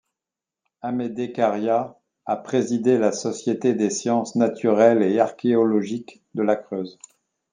Amédée Carriat a présidé la Société des sciences naturelles et archéologiques de la Creuse.